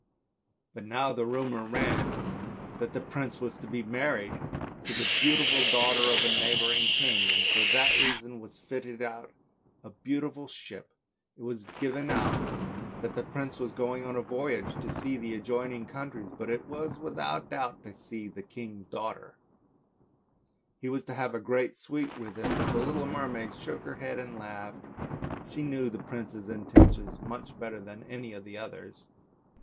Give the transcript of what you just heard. But now the rumour ran that the prince was to be married to the beautiful daughter of a neighbouring king, and for that reason was fitting out a splendid ship. It was given out that the prince was going on a voyage to see the adjoining countries, but it was without doubt to see the king's daughter; he was to have a great suite with him, but the little mermaid shook her head and laughed ; she knew the prince's intentions much better than any of the others.